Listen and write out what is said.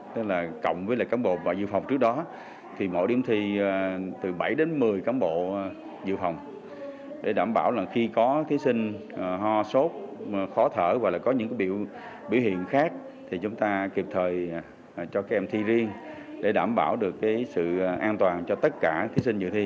đảm bảo được sự an toàn cho tất cả thí sinh dự thi cũng như là cán bộ coi thi